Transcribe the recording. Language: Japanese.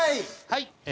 はい。